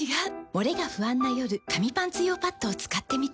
モレが不安な夜紙パンツ用パッドを使ってみた。